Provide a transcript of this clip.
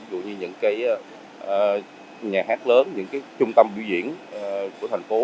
dù như những cái nhà hát lớn những cái trung tâm biểu diễn của thành phố